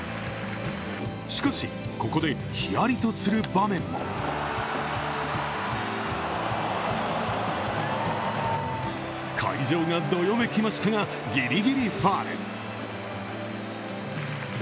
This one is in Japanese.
しかし、ここでヒヤリとする場面も会場がどよめきましたがギリギリファウル。